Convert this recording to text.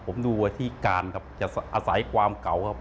ผมดูที่การครับจะอาศัยความเก่าครับ